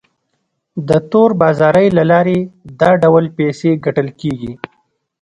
د تور بازارۍ له لارې دا ډول پیسې ګټل کیږي.